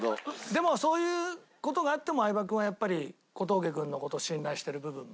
でもそういう事があっても相葉君はやっぱり小峠君の事を信頼してる部分も？